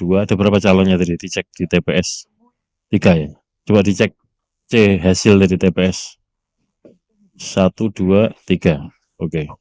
ada berapa calon yang tadi dicek di tps tiga ya coba dicek c hasil dari tps satu dua tiga oke